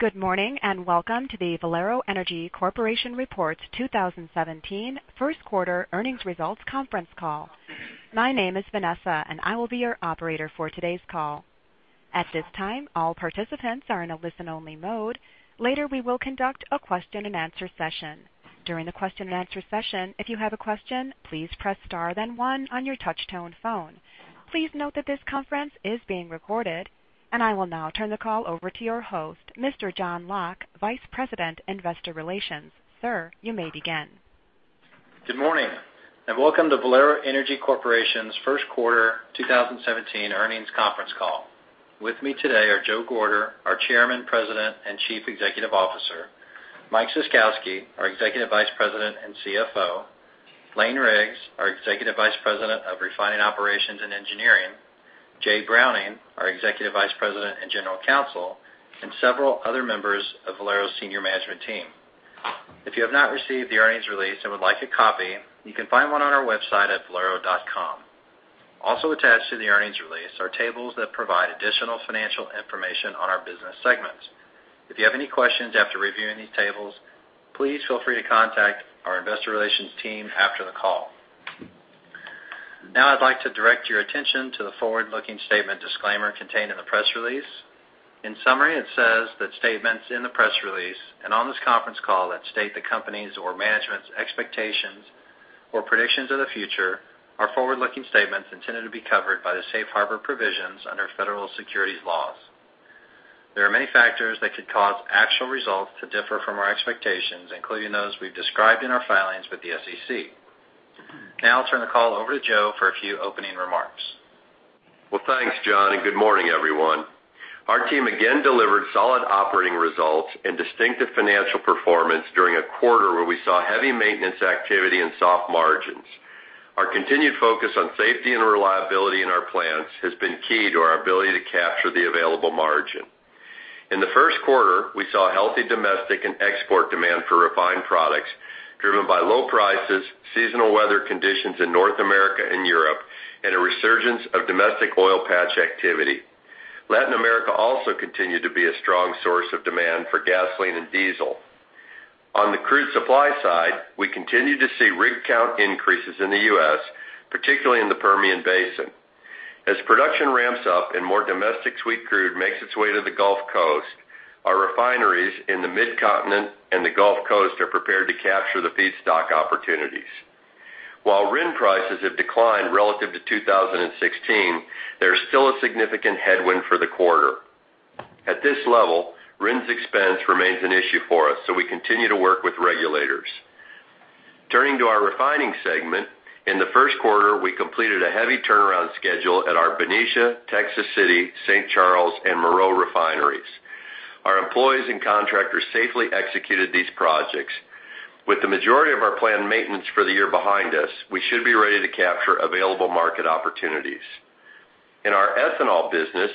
Good morning, welcome to the Valero Energy Corporation Reports 2017 First Quarter Earnings Results Conference Call. My name is Vanessa, and I will be your operator for today's call. At this time, all participants are in a listen-only mode. Later, we will conduct a question-and-answer session. During the question-and-answer session, if you have a question, please press star then one on your touch-tone phone. Please note that this conference is being recorded. I will now turn the call over to your host, Mr. John Locke, Vice President, Investor Relations. Sir, you may begin. Good morning, welcome to Valero Energy Corporation's first quarter 2017 earnings conference call. With me today are Joe Gorder, our Chairman, President, and Chief Executive Officer, Mike Ciskowski, our Executive Vice President and CFO, Lane Riggs, our Executive Vice President of Refining Operations and Engineering, Jay Browning, our Executive Vice President and General Counsel, and several other members of Valero's senior management team. If you have not received the earnings release and would like a copy, you can find one on our website at valero.com. Also attached to the earnings release are tables that provide additional financial information on our business segments. If you have any questions after reviewing these tables, please feel free to contact our investor relations team after the call. Now I'd like to direct your attention to the forward-looking statement disclaimer contained in the press release. In summary, it says that statements in the press release and on this conference call that state the company's or management's expectations or predictions of the future are forward-looking statements intended to be covered by the safe harbor provisions under federal securities laws. There are many factors that could cause actual results to differ from our expectations, including those we've described in our filings with the SEC. Now I'll turn the call over to Joe for a few opening remarks. Well, thanks, John, good morning, everyone. Our team again delivered solid operating results and distinctive financial performance during a quarter where we saw heavy maintenance activity and soft margins. Our continued focus on safety and reliability in our plants has been key to our ability to capture the available margin. In the first quarter, we saw healthy domestic and export demand for refined products driven by low prices, seasonal weather conditions in North America and Europe, a resurgence of domestic oil patch activity. Latin America also continued to be a strong source of demand for gasoline and diesel. On the crude supply side, we continue to see rig count increases in the U.S., particularly in the Permian Basin. As production ramps up and more domestic sweet crude makes its way to the Gulf Coast, our refineries in the Mid-Continent and the Gulf Coast are prepared to capture the feedstock opportunities. While RIN prices have declined relative to 2016, they are still a significant headwind for the quarter. At this level, RINs expense remains an issue for us. We continue to work with regulators. Turning to our refining segment, in the first quarter, we completed a heavy turnaround schedule at our Benicia, Texas City, St. Charles, and Meraux refineries. Our employees and contractors safely executed these projects. With the majority of our planned maintenance for the year behind us, we should be ready to capture available market opportunities. In our ethanol business,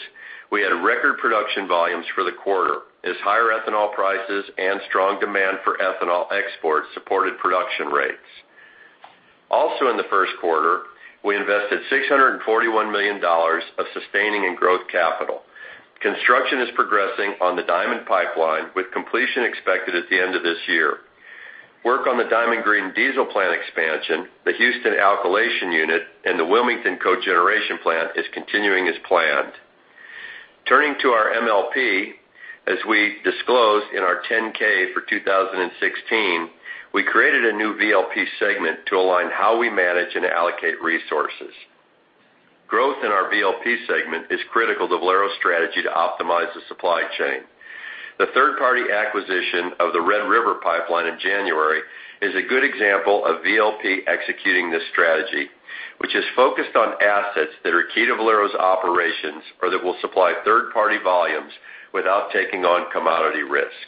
we had record production volumes for the quarter as higher ethanol prices and strong demand for ethanol exports supported production rates. Also in the first quarter, we invested $641 million of sustaining and growth capital. Construction is progressing on the Diamond Pipeline, with completion expected at the end of this year. Work on the Diamond Green Diesel plant expansion, the Houston Alkylation Unit, and the Wilmington Cogeneration plant is continuing as planned. Turning to our MLP, as we disclosed in our 10-K for 2016, we created a new VLP segment to align how we manage and allocate resources. Growth in our VLP segment is critical to Valero's strategy to optimize the supply chain. The third-party acquisition of the Red River Pipeline in January is a good example of VLP executing this strategy, which is focused on assets that are key to Valero's operations or that will supply third-party volumes without taking on commodity risk.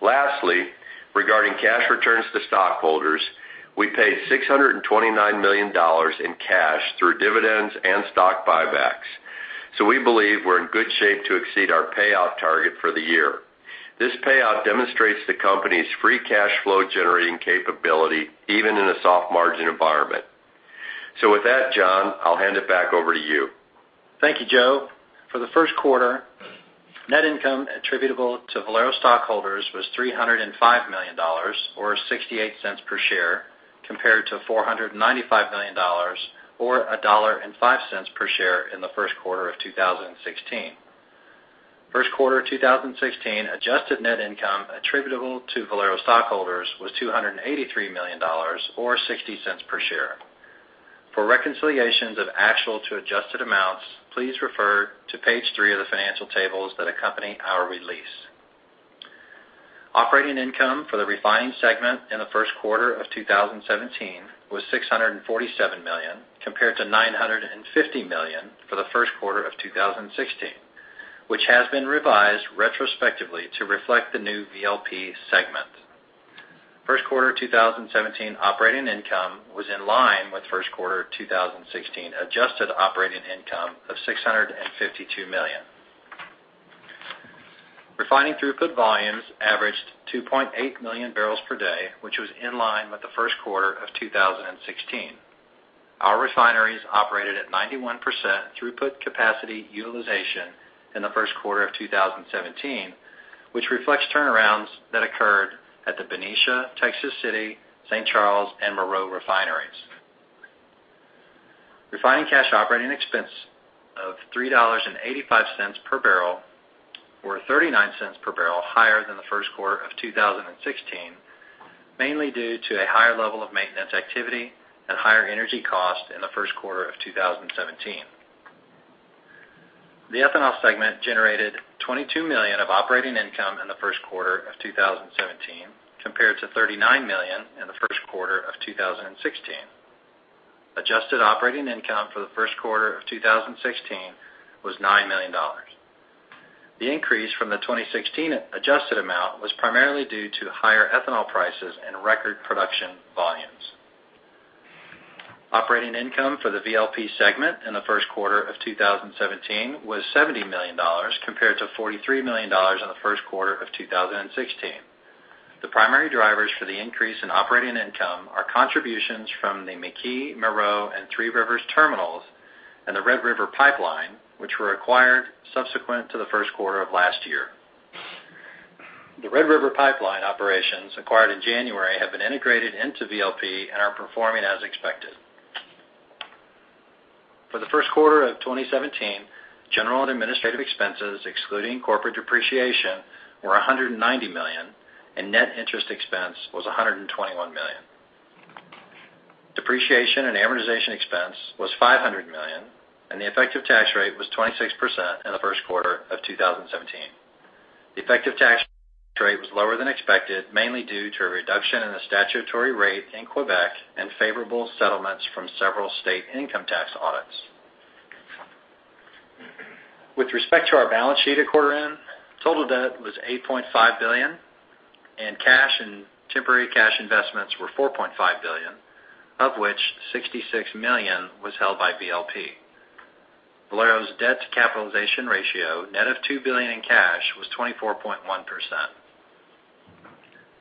Lastly, regarding cash returns to stockholders, we paid $629 million in cash through dividends and stock buybacks. We believe we're in good shape to exceed our payout target for the year. This payout demonstrates the company's free cash flow generating capability, even in a soft margin environment. With that, John, I'll hand it back over to you. Thank you, Joe. For the first quarter, net income attributable to Valero stockholders was $305 million, or $0.68 per share, compared to $495 million, or $1.05 per share in the first quarter of 2016. First quarter 2016 adjusted net income attributable to Valero stockholders was $283 million, or $0.60 per share. For reconciliations of actual to adjusted amounts, please refer to page three of the financial tables that accompany our release. Operating income for the refining segment in the first quarter of 2017 was $647 million, compared to $950 million for the first quarter of 2016, which has been revised retrospectively to reflect the new VLP segment. First quarter 2017 operating income was in line with first quarter 2016 adjusted operating income of $652 million. Refining throughput volumes averaged 2.8 million barrels per day, which was in line with the first quarter of 2016. Our refineries operated at 91% throughput capacity utilization in the first quarter of 2017, which reflects turnarounds that occurred at the Benicia, Texas City, St. Charles, and Meraux refineries. Refining cash operating expense of $3.85 per barrel or $0.39 per barrel higher than the first quarter of 2016, mainly due to a higher level of maintenance activity and higher energy cost in the first quarter of 2017. The ethanol segment generated $22 million of operating income in the first quarter of 2017, compared to $39 million in the first quarter of 2016. Adjusted operating income for the first quarter of 2016 was $9 million. The increase from the 2016 adjusted amount was primarily due to higher ethanol prices and record production volumes. Operating income for the VLP segment in the first quarter of 2017 was $70 million compared to $43 million in the first quarter of 2016. The primary drivers for the increase in operating income are contributions from the McKee, Meraux, and Three Rivers terminals and the Red River Pipeline, which were acquired subsequent to the first quarter of last year. The Red River Pipeline operations acquired in January have been integrated into VLP and are performing as expected. For the first quarter of 2017, general and administrative expenses, excluding corporate depreciation, were $190 million, and net interest expense was $121 million. Depreciation and amortization expense was $500 million, and the effective tax rate was 26% in the first quarter of 2017. The effective tax rate was lower than expected, mainly due to a reduction in the statutory rate in Quebec and favorable settlements from several state income tax audits. With respect to our balance sheet at quarter end, total debt was $8.5 billion, and cash and temporary cash investments were $4.5 billion, of which $66 million was held by VLP. Valero's debt-to-capitalization ratio, net of $2 billion in cash, was 24.1%.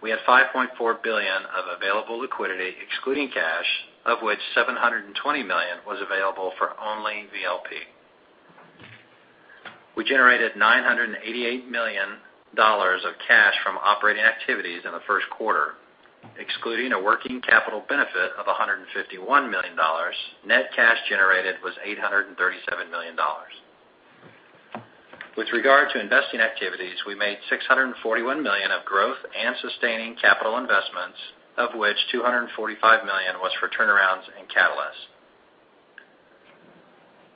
We had $5.4 billion of available liquidity excluding cash, of which $720 million was available for only VLP. We generated $988 million of cash from operating activities in the first quarter, excluding a working capital benefit of $151 million. Net cash generated was $837 million. With regard to investing activities, we made $641 million of growth and sustaining capital investments, of which $245 million was for turnarounds and catalysts.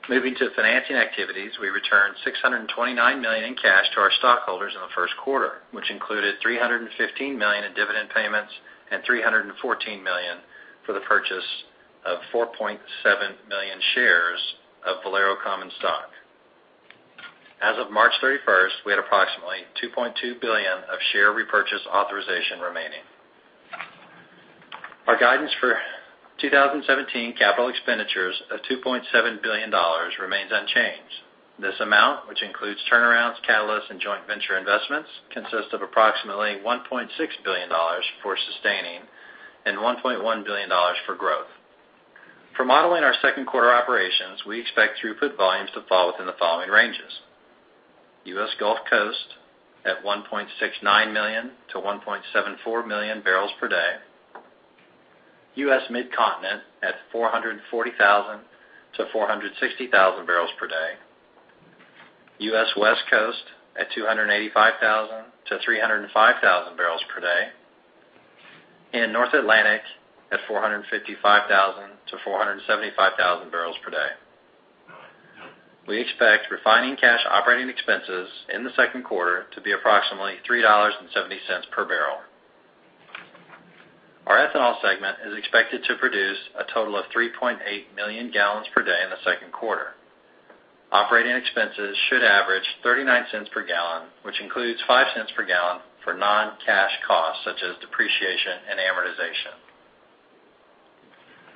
Moving to financing activities, we returned $629 million in cash to our stockholders in the first quarter, which included $315 million in dividend payments and $314 million for the purchase of 4.7 million shares of Valero common stock. As of March 31st, we had approximately $2.2 billion of share repurchase authorization remaining. Our guidance for 2017 capital expenditures of $2.7 billion remains unchanged. This amount, which includes turnarounds, catalysts, and joint venture investments, consists of approximately $1.6 billion for sustaining and $1.1 billion for growth. For modeling our second quarter operations, we expect throughput volumes to fall within the following ranges: U.S. Gulf Coast at 1.69 million to 1.74 million barrels per day, U.S. Midcontinent at 440,000 to 460,000 barrels per day, U.S. West Coast at 285,000 to 305,000 barrels per day, and North Atlantic at 455,000 to 475,000 barrels per day. We expect refining cash operating expenses in the second quarter to be approximately $3.70 per barrel. Our ethanol segment is expected to produce a total of 3.8 million gallons per day in the second quarter. Operating expenses should average $0.39 per gallon, which includes $0.05 per gallon for non-cash costs such as depreciation and amortization.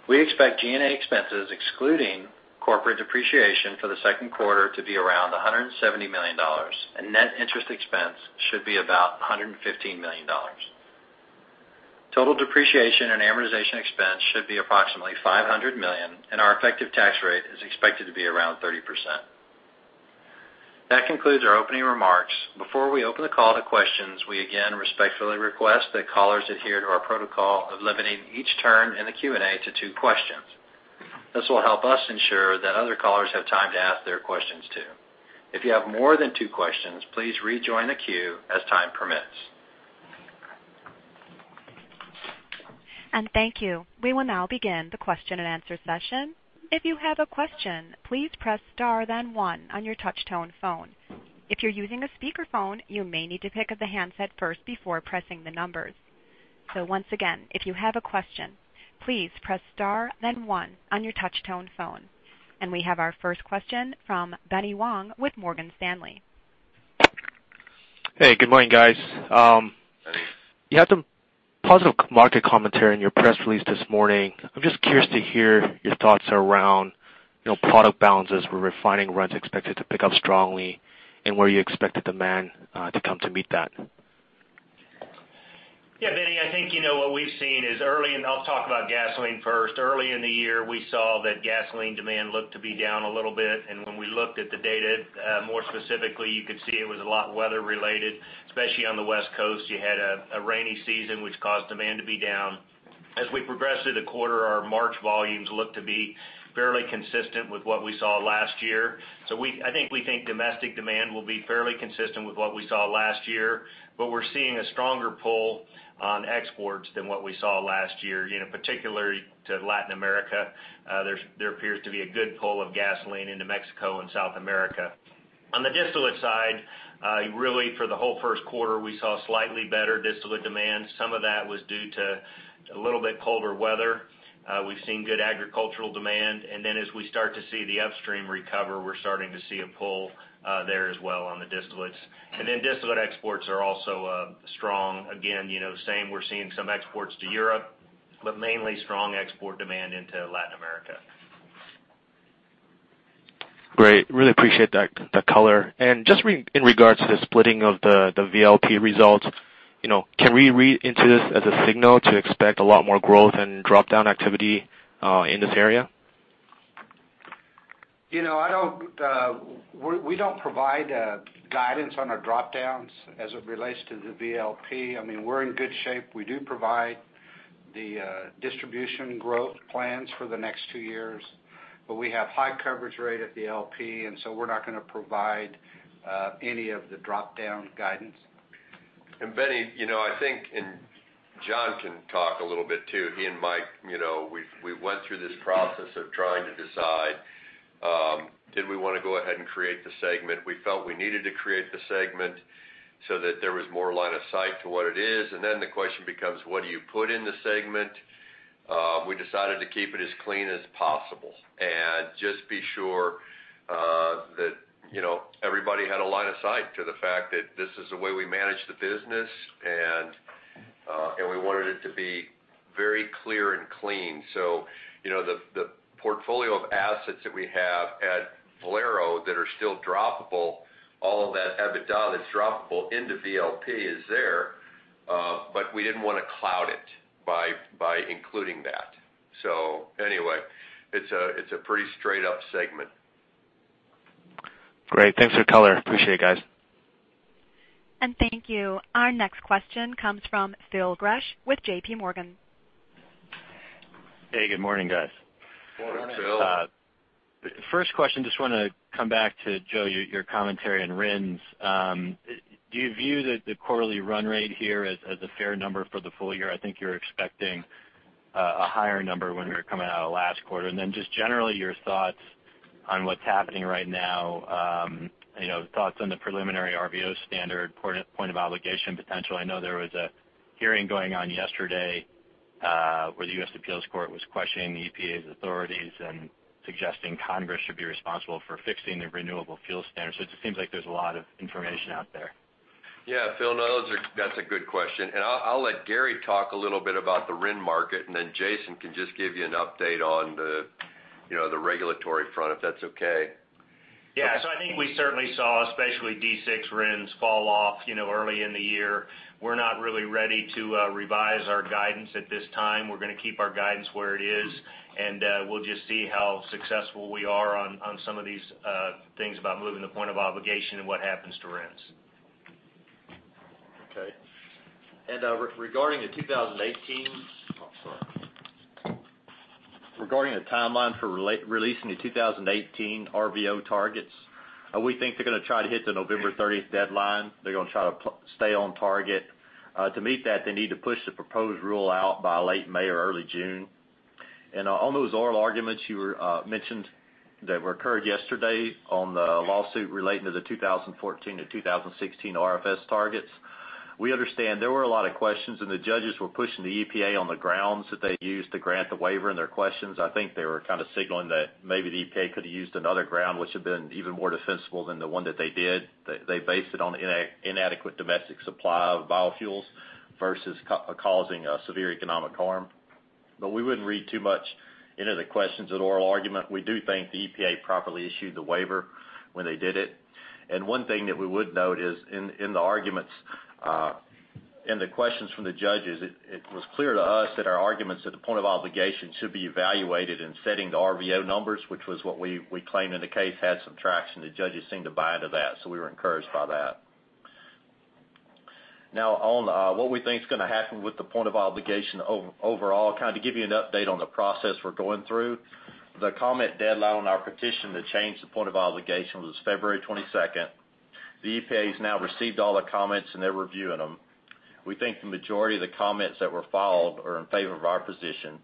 We expect G&A expenses excluding corporate depreciation for the second quarter to be around $170 million, and net interest expense should be about $115 million. Total depreciation and amortization expense should be approximately $500 million, and our effective tax rate is expected to be around 30%. That concludes our opening remarks. Before we open the call to questions, we again respectfully request that callers adhere to our protocol of limiting each turn in the Q&A to two questions. This will help us ensure that other callers have time to ask their questions, too. If you have more than two questions, please rejoin the queue as time permits. Thank you. We will now begin the question-and-answer session. If you have a question, please press * then 1 on your touch-tone phone. If you're using a speakerphone, you may need to pick up the handset first before pressing the numbers. Once again, if you have a question, please press * then 1 on your touch-tone phone. We have our first question from Benny Wong with Morgan Stanley. Hey, good morning, guys You had some positive market commentary in your press release this morning. I'm just curious to hear your thoughts around product balances where refining runs expected to pick up strongly and where you expect the demand to come to meet that. Yeah, Benny, I think what we've seen is early. I'll talk about gasoline first. Early in the year, we saw that gasoline demand looked to be down a little bit. When we looked at the data more specifically, you could see it was a lot weather related, especially on the West Coast. You had a rainy season, which caused demand to be down. As we progress through the quarter, our March volumes look to be fairly consistent with what we saw last year. I think we think domestic demand will be fairly consistent with what we saw last year, but we're seeing a stronger pull on exports than what we saw last year, particularly to Latin America. There appears to be a good pull of gasoline into Mexico and South America. On the distillate side, really for the whole first quarter, we saw slightly better distillate demand. Some of that was due to a little bit colder weather. We've seen good agricultural demand. Then as we start to see the upstream recover, we're starting to see a pull there as well on the distillates. Then distillate exports are also strong. Again, same, we're seeing some exports to Europe, but mainly strong export demand into Latin America. Great. Really appreciate that color. Just in regards to the splitting of the VLP results, can we read into this as a signal to expect a lot more growth and drop-down activity in this area? We don't provide guidance on our drop-downs as it relates to the VLP. We're in good shape. We do provide the distribution growth plans for the next two years, but we have high coverage rate at VLP. So we're not going to provide any of the drop-down guidance. Benny, I think, John can talk a little bit too. He and Mike, we went through this process of trying to decide, did we want to go ahead and create the segment? We felt we needed to create the segment so that there was more line of sight to what it is. Then the question becomes, what do you put in the segment? We decided to keep it as clean as possible and just be sure that everybody had a line of sight to the fact that this is the way we manage the business, and we wanted it to be very clear and clean. The portfolio of assets that we have at Valero that are still droppable, all of that EBITDA that's droppable into VLP is there. We didn't want to cloud it by including that. Anyway, it's a pretty straight-up segment. Great. Thanks for the color. Appreciate it, guys. Thank you. Our next question comes from Phil Gresh with JPMorgan. Hey, good morning, guys. Morning, Phil. First question, just want to come back to Joe, your commentary on RINs. Do you view the quarterly run rate here as a fair number for the full year? I think you were expecting a higher number when we were coming out of last quarter. Then just generally, your thoughts on what's happening right now. Thoughts on the preliminary RVO standard point of obligation potential. I know there was a hearing going on yesterday where the U.S. Appeals Court was questioning the EPA's authorities and suggesting Congress should be responsible for fixing the Renewable Fuel Standard. It just seems like there's a lot of information out there. Phil, that's a good question. I'll let Gary talk a little bit about the RIN market. Then Jason can just give you an update on the regulatory front, if that's okay. I think we certainly saw, especially D6 RINs fall off early in the year. We're not really ready to revise our guidance at this time. We're going to keep our guidance where it is, and we'll just see how successful we are on some of these things about moving the point of obligation and what happens to RINs. Okay. Regarding the timeline for releasing the 2018 RVO targets, we think they're going to try to hit the November 30th deadline. They're going to try to stay on target. To meet that, they need to push the proposed rule out by late May or early June. On those oral arguments you mentioned that occurred yesterday on the lawsuit relating to the 2014 to 2016 RFS targets, we understand there were a lot of questions, and the judges were pushing the EPA on the grounds that they used to grant the waiver and their questions. I think they were kind of signaling that maybe the EPA could have used another ground which had been even more defensible than the one that they did. They based it on inadequate domestic supply of biofuels versus causing severe economic harm. We wouldn't read too much into the questions at oral argument. We do think the EPA properly issued the waiver when they did it. One thing that we would note is in the arguments and the questions from the judges, it was clear to us that our arguments that the point of obligation should be evaluated in setting the RVO numbers, which was what we claimed in the case, had some traction. The judges seemed to buy into that. We were encouraged by that. On what we think is going to happen with the point of obligation overall, to give you an update on the process we're going through. The comment deadline on our petition to change the point of obligation was February 22nd. The EPA has now received all the comments. They're reviewing them. We think the majority of the comments that were filed are in favor of our position.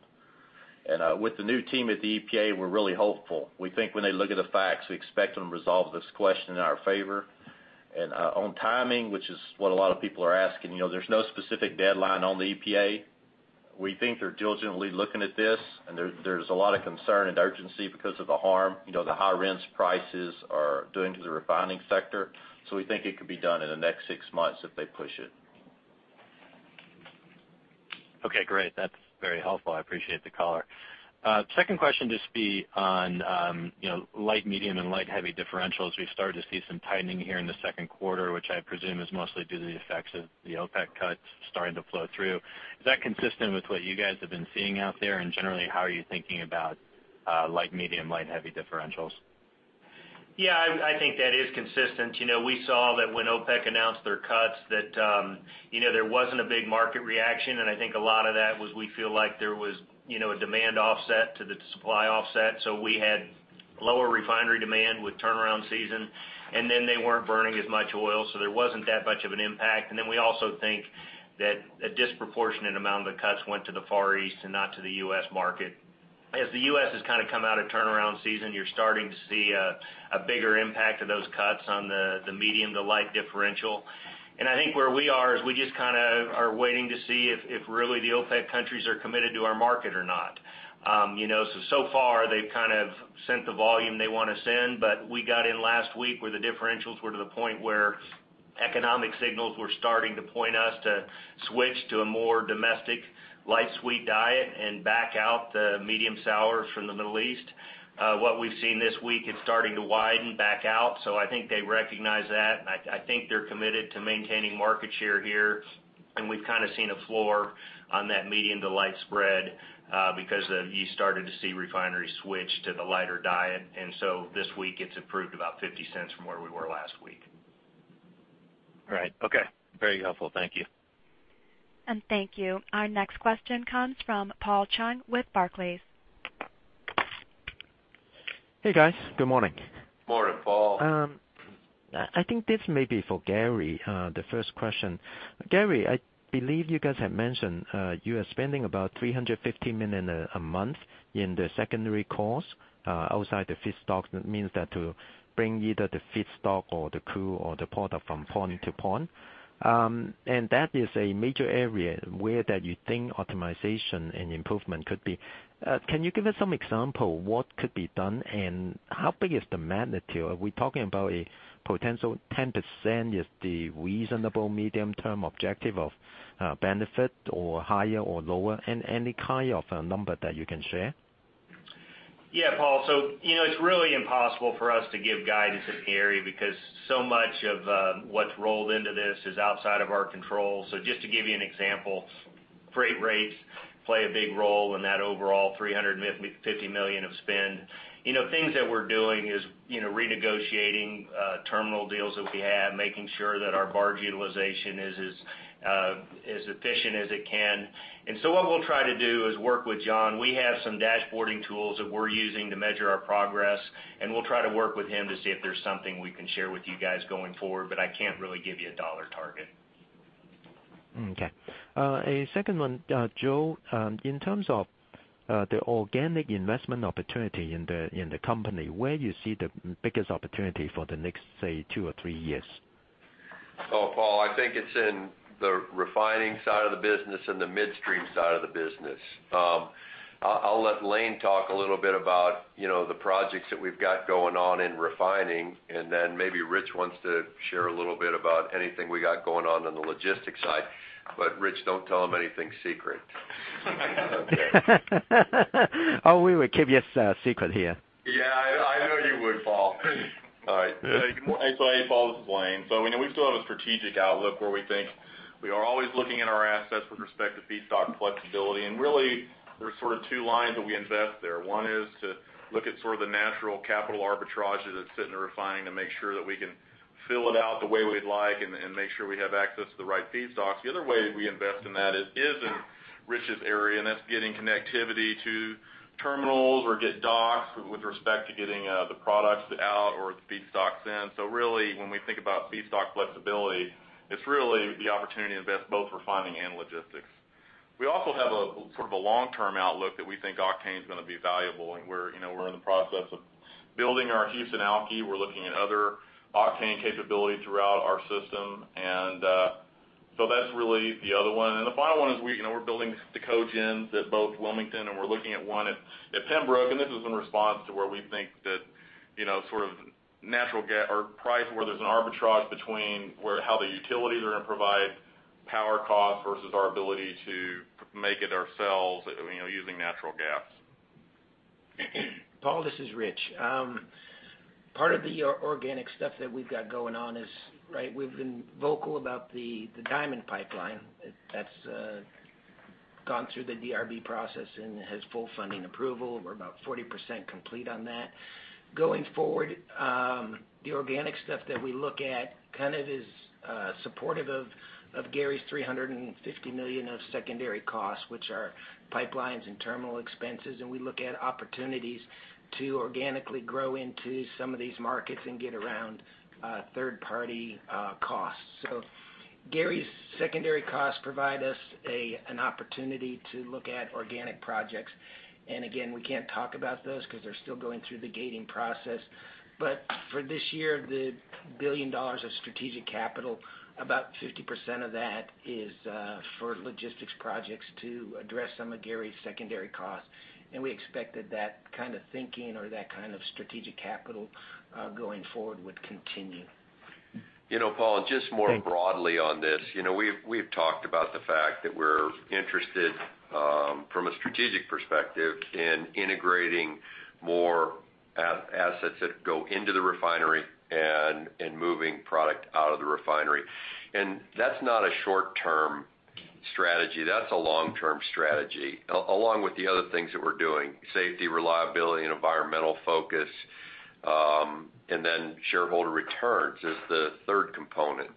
With the new team at the EPA, we're really hopeful. We think when they look at the facts, we expect them to resolve this question in our favor. On timing, which is what a lot of people are asking, there's no specific deadline on the EPA. We think they're diligently looking at this, and there's a lot of concern and urgency because of the harm, the high RINs prices are doing to the refining sector. We think it could be done in the next 6 months if they push it. Okay, great. That's very helpful. I appreciate the color. Second question, just be on light medium and light heavy differentials. We've started to see some tightening here in the second quarter, which I presume is mostly due to the effects of the OPEC cuts starting to flow through. Is that consistent with what you guys have been seeing out there? Generally, how are you thinking about light medium, light heavy differentials? Yeah, I think that is consistent. We saw that when OPEC announced their cuts that there wasn't a big market reaction. I think a lot of that was we feel like there was a demand offset to the supply offset. We had lower refinery demand with turnaround season. Then they weren't burning as much oil. There wasn't that much of an impact. Then we also think that a disproportionate amount of the cuts went to the Far East and not to the U.S. market. As the U.S. has come out of turnaround season, you're starting to see a bigger impact of those cuts on the medium to light differential. I think where we are is we just are waiting to see if really the OPEC countries are committed to our market or not. So far, they've sent the volume they want to send, but we got in last week where the differentials were to the point where economic signals were starting to point us to switch to a more domestic light sweet diet and back out the medium sours from the Middle East. What we've seen this week, it's starting to widen back out. I think they recognize that, and I think they're committed to maintaining market share here, and we've seen a floor on that medium to light spread because you started to see refineries switch to the lighter diet. This week it's improved about $0.50 from where we were last week. Right. Okay. Very helpful. Thank you. Thank you. Our next question comes from Paul Cheng with Barclays. Hey, guys. Good morning. Morning, Paul. I think this may be for Gary. The first question. Gary, I believe you guys have mentioned you are spending about $350 million a month in the secondary costs outside the feedstock. That means that to bring either the feedstock or the crude or the product from point to point. That is a major area where that you think optimization and improvement could be. Can you give us some example what could be done, and how big is the magnitude? Are we talking about a potential 10% is the reasonable medium-term objective of benefit or higher or lower? Any kind of a number that you can share? Yeah, Paul. It's really impossible for us to give guidance in the area because so much of what's rolled into this is outside of our control. Just to give you an example, freight rates play a big role in that overall $350 million of spend. Things that we're doing is renegotiating terminal deals that we have, making sure that our barge utilization is as efficient as it can. What we'll try to do is work with John. We have some dashboarding tools that we're using to measure our progress, and we'll try to work with him to see if there's something we can share with you guys going forward. I can't really give you a dollar target. Okay. A second one. Joe, in terms of the organic investment opportunity in the company, where you see the biggest opportunity for the next, say, two or three years? Paul, I think it's in the refining side of the business and the midstream side of the business. I'll let Lane talk a little bit about the projects that we've got going on in refining, and then maybe Rich wants to share a little bit about anything we got going on the logistics side. Rich, don't tell him anything secret. We will keep your secret here. I know you would, Paul. All right. Paul, this is Lane. We know we still have a strategic outlook where we think we are always looking at our assets with respect to feedstock flexibility, Really, there are sort of two lines that we invest there. One is to look at sort of the natural capital arbitrage that's sitting in refining to make sure that we can fill it out the way we'd like and make sure we have access to the right feedstocks. The other way we invest in that is in Rich's area, and that's getting connectivity to terminals or get docks with respect to getting the products out or the feedstocks in. Really, when we think about feedstock flexibility, it's really the opportunity to invest both refining and logistics. We also have a sort of a long-term outlook that we think octane is going to be valuable, and we're in the process of building our Houston Alky. We're looking at other octane capability throughout our system. That's really the other one. The final one is we're building the cogens at both Wilmington, and we're looking at one at Pembroke, and this is in response to where we think that sort of natural gas or price, where there's an arbitrage between how the utilities are going to provide power cost versus our ability to make it ourselves using natural gas. Paul, this is Rich. Part of the organic stuff that we've got going on is, we've been vocal about the Diamond Pipeline that's gone through the DRB process and has full funding approval. We're about 40% complete on that. Going forward, the organic stuff that we look at kind of is supportive of Gary's $350 million of secondary costs, which are pipelines and terminal expenses, and we look at opportunities to organically grow into some of these markets and get around third-party costs. Gary's secondary costs provide us an opportunity to look at organic projects. Again, we can't talk about those because they're still going through the gating process. For this year, the $1 billion of strategic capital, about 50% of that is for logistics projects to address some of Gary's secondary costs. We expect that that kind of thinking or that kind of strategic capital going forward would continue. Paul, just more broadly on this. We've talked about the fact that we're interested from a strategic perspective in integrating more assets that go into the refinery and moving product out of the refinery. That's not a short-term strategy. That's a long-term strategy, along with the other things that we're doing, safety, reliability, and environmental focus, shareholder returns is the third component.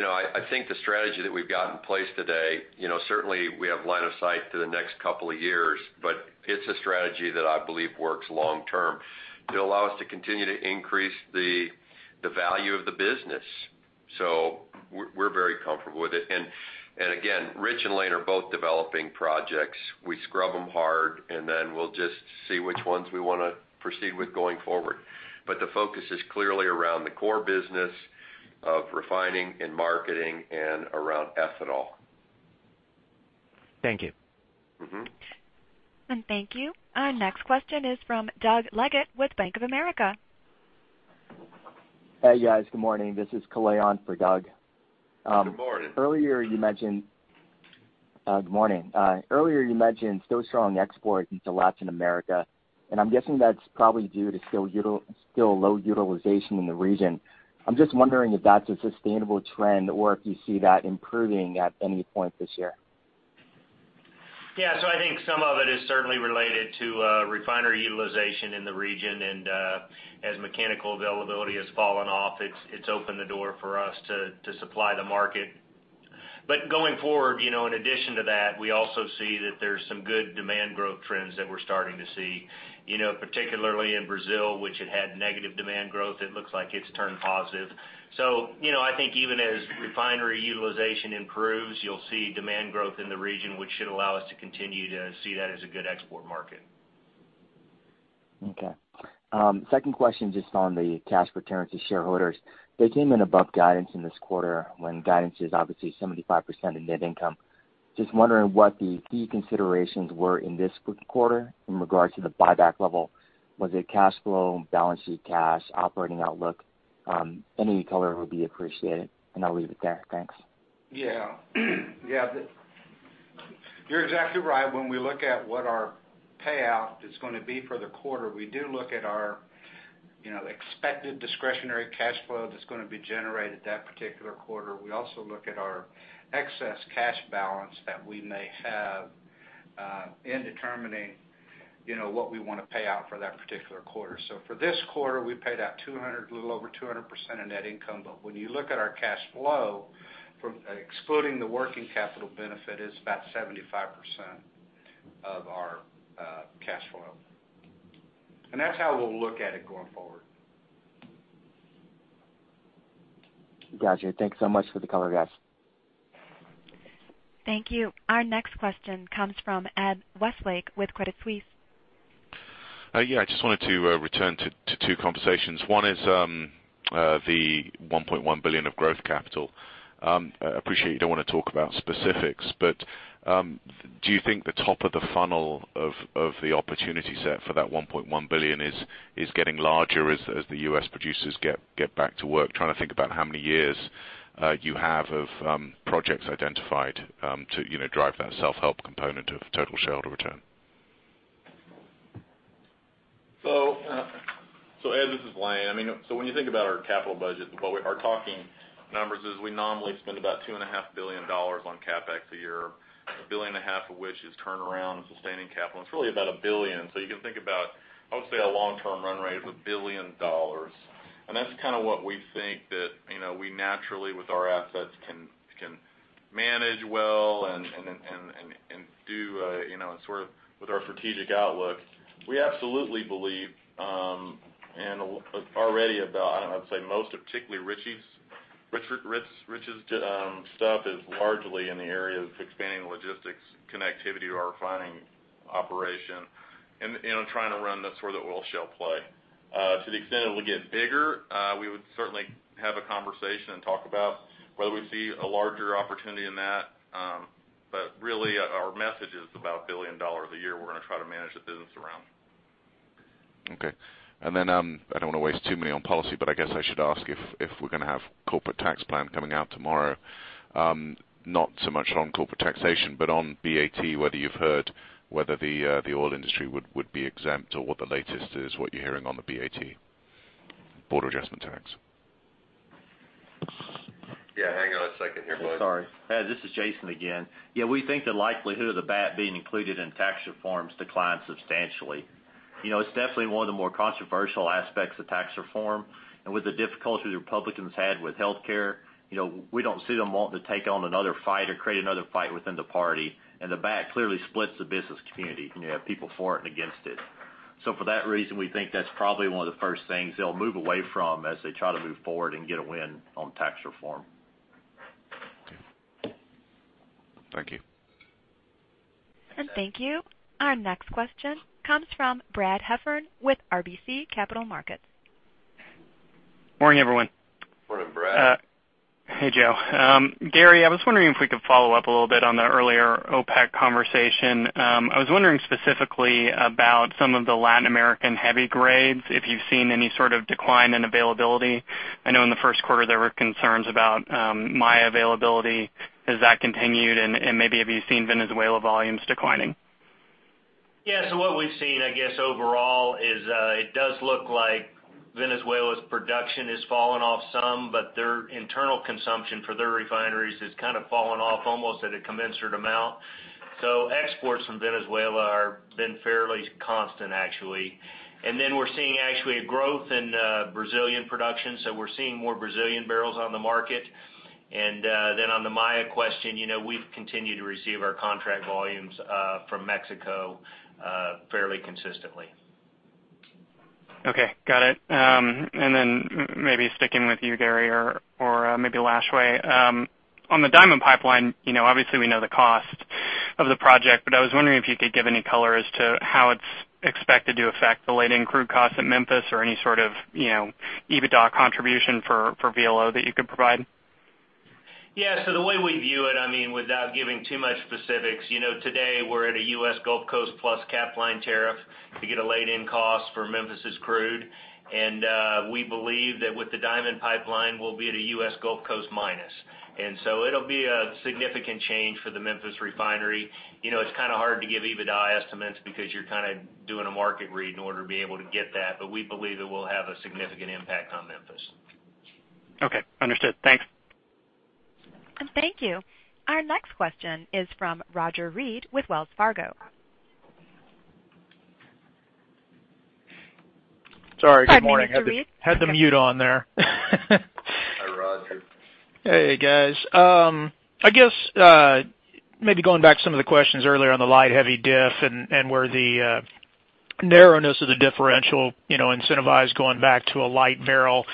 I think the strategy that we've got in place today, certainly we have line of sight to the next couple of years, but it's a strategy that I believe works long term to allow us to continue to increase the value of the business. We're very comfortable with it. Again, Rich and Lane are both developing projects. We scrub them hard, we'll just see which ones we want to proceed with going forward. The focus is clearly around the core business of refining and marketing and around ethanol. Thank you. Thank you. Our next question is from Doug Leggate with Bank of America. Hey, guys. Good morning. This is Kaleon for Doug. Good morning. Good morning. Earlier, you mentioned still strong exports into Latin America, I'm guessing that's probably due to still low utilization in the region. I'm just wondering if that's a sustainable trend or if you see that improving at any point this year. Yeah. I think some of it is certainly related to refinery utilization in the region, as mechanical availability has fallen off, it's opened the door for us to supply the market. Going forward, in addition to that, we also see that there's some good demand growth trends that we're starting to see. Particularly in Brazil, which had had negative demand growth, it looks like it's turned positive. I think even as refinery utilization improves, you'll see demand growth in the region, which should allow us to continue to see that as a good export market. Okay. Second question, just on the cash return to shareholders. They came in above guidance in this quarter, when guidance is obviously 75% of net income. Just wondering what the key considerations were in this quarter in regards to the buyback level. Was it cash flow, balance sheet cash, operating outlook? Any color would be appreciated, I'll leave it there. Thanks. You're exactly right. When we look at what our payout is going to be for the quarter, we do look at our expected discretionary cash flow that's going to be generated that particular quarter. We also look at our excess cash balance that we may have in determining what we want to pay out for that particular quarter. For this quarter, we paid out a little over 200% of net income. When you look at our cash flow, excluding the working capital benefit, it's about 75% of our cash flow. That's how we'll look at it going forward. Got you. Thank you so much for the color, guys. Thank you. Our next question comes from Ed Westlake with Credit Suisse. I just wanted to return to two conversations. One is the $1.1 billion of growth capital. I appreciate you don't want to talk about specifics, but do you think the top of the funnel of the opportunity set for that $1.1 billion is getting larger as the U.S. producers get back to work? Trying to think about how many years you have of projects identified to drive that self-help component of total shareholder return. Ed, this is Lane. When you think about our capital budget, our talking numbers is we nominally spend about $2.5 billion on CapEx a year, $1.5 billion of which is turnaround and sustaining capital, and it's really about $1 billion. You can think about, I would say, a long-term run rate of $1 billion. That's what we think that we naturally with our assets can manage well and do with our strategic outlook. We absolutely believe and already about, I would say most of particularly Rich Lashway's stuff is largely in the area of expanding logistics connectivity to our refining operation and trying to run that sort of oil shale play. To the extent it will get bigger, we would certainly have a conversation and talk about whether we see a larger opportunity in that. Really, our message is about $1 billion a year we're going to try to manage the business around. Okay. I don't want to waste too many on policy. I guess I should ask if we're going to have corporate tax plan coming out tomorrow. Not so much on corporate taxation, on BAT, whether you've heard whether the oil industry would be exempt or what the latest is, what you're hearing on the BAT, border adjustment tax. Yeah, hang on a second here, folks. Sorry. Ed, this is Jason again. We think the likelihood of the BAT being included in tax reforms declined substantially. It's definitely one of the more controversial aspects of tax reform. With the difficulties Republicans had with healthcare, we don't see them wanting to take on another fight or create another fight within the party. The BAT clearly splits the business community. You have people for it and against it. For that reason, we think that's probably one of the first things they'll move away from as they try to move forward and get a win on tax reform. Thank you. Thank you. Our next question comes from Brad Heffern with RBC Capital Markets. Morning, everyone. Morning, Brad. Hey, Joe. Gary, I was wondering if we could follow up a little bit on the earlier OPEC conversation. I was wondering specifically about some of the Latin American heavy grades, if you've seen any sort of decline in availability. I know in the first quarter there were concerns about Maya availability. Has that continued and maybe have you seen Venezuela volumes declining? Yeah. What we've seen, I guess, overall is it does look like Venezuela's production has fallen off some, their internal consumption for their refineries has kind of fallen off almost at a commensurate amount. Exports from Venezuela have been fairly constant, actually. We're seeing actually a growth in Brazilian production, we're seeing more Brazilian barrels on the market. On the Maya question, we've continued to receive our contract volumes from Mexico fairly consistently. Okay, got it. Maybe sticking with you, Gary, or maybe Lashway. On the Diamond Pipeline, obviously we know the cost of the project, I was wondering if you could give any color as to how it's expected to affect the laid-in crude costs at Memphis or any sort of, EBITDA contribution for VLO that you could provide. The way we view it, without giving too much specifics, today we're at a US Gulf Coast plus Capline tariff to get a laid-in cost for Memphis's crude. We believe that with the Diamond Pipeline, we'll be at a US Gulf Coast minus. It'll be a significant change for the Memphis refinery. It's kind of hard to give EBITDA estimates because you're kind of doing a market read in order to be able to get that, we believe it will have a significant impact on Memphis. Okay, understood. Thanks. Thank you. Our next question is from Roger Read with Wells Fargo. Sorry, good morning. Hi, Mr. Read. Had the mute on there. Hi, Roger. Hey, guys. I guess maybe going back to some of the questions earlier on the light, heavy diff and where the narrowness of the differential incentivized going back to a light barrel.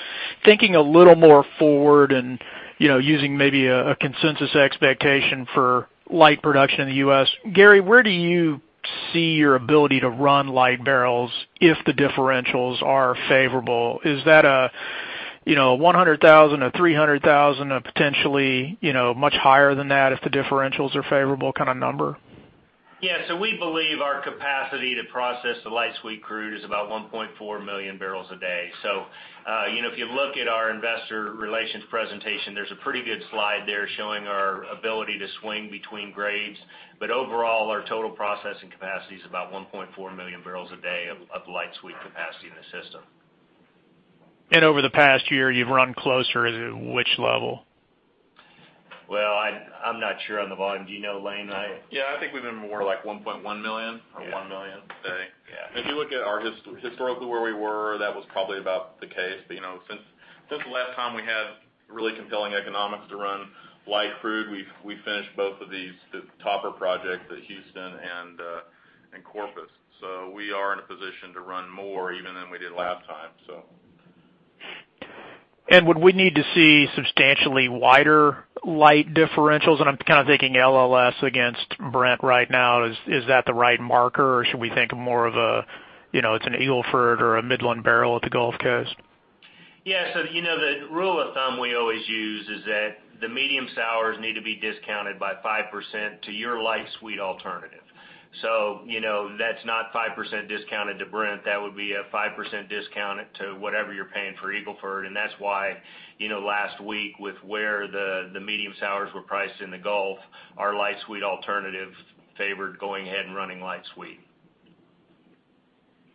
Thinking a little more forward and using maybe a consensus expectation for light production in the U.S., Gary, where do you see your ability to run light barrels if the differentials are favorable? Is that a 100,000, a 300,000, a potentially much higher than that if the differentials are favorable kind of number? Yeah. We believe our capacity to process the light sweet crude is about 1.4 million barrels a day. If you look at our investor relations presentation, there's a pretty good slide there showing our ability to swing between grades. Overall, our total processing capacity is about 1.4 million barrels a day of light sweet capacity in the system. Over the past year, you've run closer to which level? Well, I'm not sure on the volume. Do you know, Lane? Yeah, I think we've been more like 1.1 million or 1 million a day. Yeah. Since the last time we had really compelling economics to run light crude, we finished both of these, the topper projects at Houston and Corpus. We are in a position to run more even than we did last time. Would we need to see substantially wider light differentials? I'm kind of thinking LLS against Brent right now. Is that the right marker or should we think more of a, it's an Eagle Ford or a Midland barrel at the Gulf Coast? Yeah. The rule of thumb we always use is that the medium sours need to be discounted by 5% to your light sweet alternative. That's not 5% discounted to Brent. That would be a 5% discount to whatever you're paying for Eagle Ford. That's why, last week with where the medium sours were priced in the Gulf, our light sweet alternative favored going ahead and running light sweet.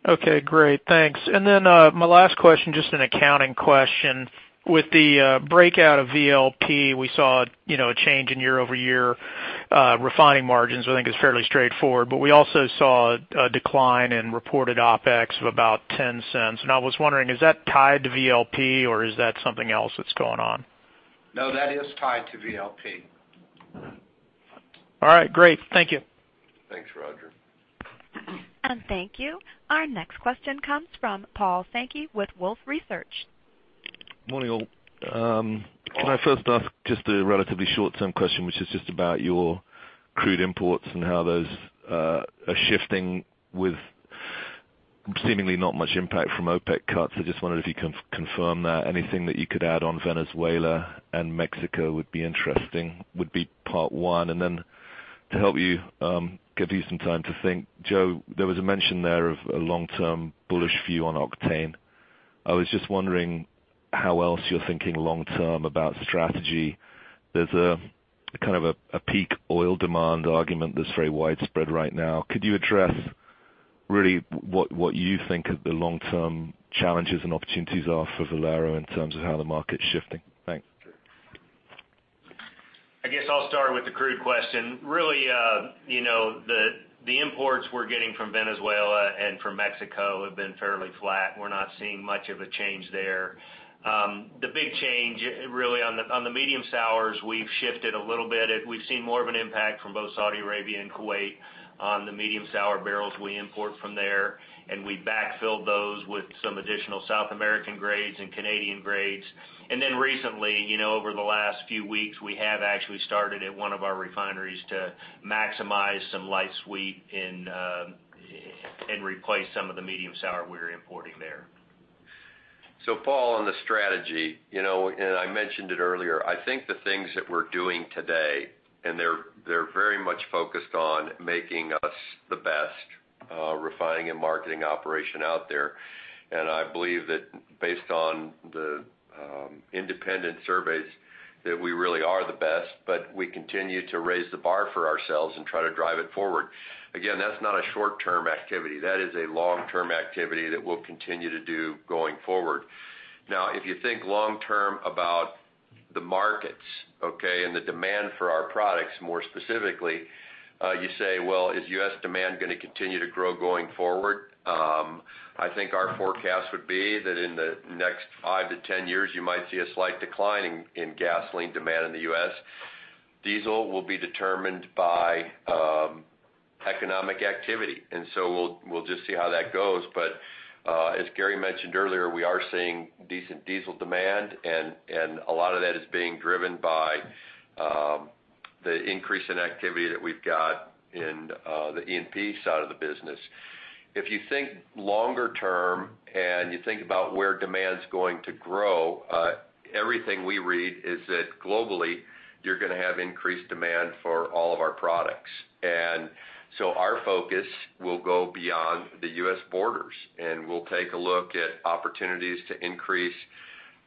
Okay, great. Thanks. Then, my last question, just an accounting question. With the breakout of VLP, we saw a change in year-over-year refining margins, I think is fairly straightforward. We also saw a decline in reported OpEx of about $0.10. I was wondering, is that tied to VLP or is that something else that's going on? No, that is tied to VLP. All right, great. Thank you. Thanks, Roger. Thank you. Our next question comes from Paul Sankey with Wolfe Research. Morning, all. Can I first ask just a relatively short-term question, which is just about your crude imports and how those are shifting with seemingly not much impact from OPEC cuts. I just wondered if you can confirm that. Anything that you could add on Venezuela and Mexico would be interesting, would be part one. To help give you some time to think, Joe, there was a mention there of a long-term bullish view on octane. I was just wondering how else you're thinking long term about strategy. There's a kind of a peak oil demand argument that's very widespread right now. Could you address really what you think the long-term challenges and opportunities are for Valero in terms of how the market's shifting? Thanks. I guess I'll start with the crude question. Really, the imports we're getting from Venezuela and from Mexico have been fairly flat. We're not seeing much of a change there. The big change really on the medium sours, we've shifted a little bit. We've seen more of an impact from both Saudi Arabia and Kuwait on the medium sour barrels we import from there, and we backfill those with some additional South American grades and Canadian grades. Recently, over the last few weeks, we have actually started at one of our refineries to maximize some light sweet and replace some of the medium sour we were importing there. Paul, on the strategy, and I mentioned it earlier, I think the things that we're doing today, and they're very much focused on making us the best refining and marketing operation out there. I believe that based on the independent surveys, that we really are the best, but we continue to raise the bar for ourselves and try to drive it forward. Again, that's not a short-term activity. That is a long-term activity that we'll continue to do going forward. If you think long-term about the markets, okay? The demand for our products more specifically, you say, well, is U.S. demand going to continue to grow going forward? I think our forecast would be that in the next 5-10 years, you might see a slight decline in gasoline demand in the U.S. Diesel will be determined by economic activity, and so we'll just see how that goes. As Gary mentioned earlier, we are seeing decent diesel demand and a lot of that is being driven by the increase in activity that we've got in the E&P side of the business. If you think longer term and you think about where demand's going to grow, everything we read is that globally, you're going to have increased demand for all of our products. Our focus will go beyond the U.S. borders, and we'll take a look at opportunities to increase